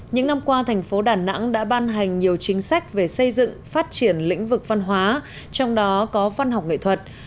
những năm qua thành phố đà nẵng đã ban hành nhiều chính sách về xây dựng phát triển lĩnh vực văn hóa trong đó có văn học nghệ thuật